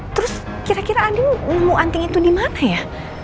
terus kira kira andin nemu anting itu dimana ya